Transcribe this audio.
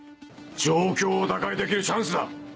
状況を打開できるチャンスだ！